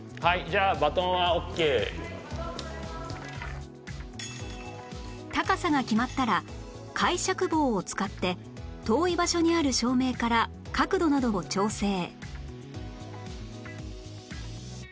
じゃあ高さが決まったら介錯棒を使って遠い場所にある照明から角度などを調整